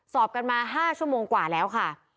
สอบกันมา๕ชั่วโมงกว่าแล้วค่ะ